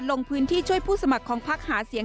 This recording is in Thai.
ลงพื้นที่ช่วยผู้สมัครของพักหาเสียง